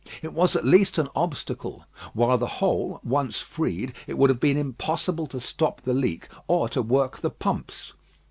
It was at least an obstacle; while the hole once freed, it would have been impossible to stop the leak or to work the pumps.